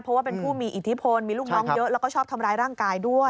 เพราะว่าเป็นผู้มีอิทธิพลมีลูกน้องเยอะแล้วก็ชอบทำร้ายร่างกายด้วย